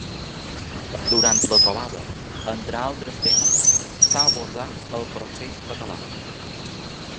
Durant la trobada, entre altres temes, s’ha abordat el procés català.